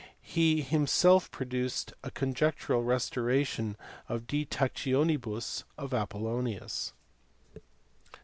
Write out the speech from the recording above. He himself produced a conjectural restoration of the De Tactionibus of Apollonius.